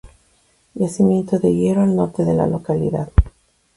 Yacimiento de hierro al Norte de la localidad.